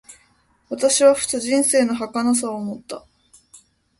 私はふと、人生の儚さを思った。